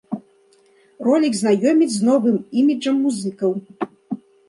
Ролік знаёміць з новым іміджам музыкаў.